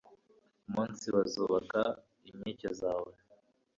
umunsi bazubaka inkike zawe